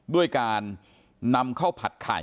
ด้วยการนำข้าวผัดไข่